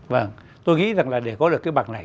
vâng tôi nghĩ rằng là để có được cái bằng này